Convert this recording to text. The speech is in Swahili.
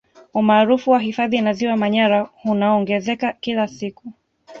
Umaarufu wa hifadhi na Ziwa Manyara hunaongezeka kila siku